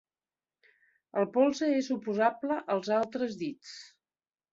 El polze és oposable als altres dits.